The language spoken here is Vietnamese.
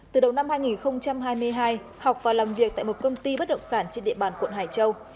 từ đầu năm hai nghìn hai mươi hai học và làm việc tại một công ty bất động sản trên địa bàn quận hải châu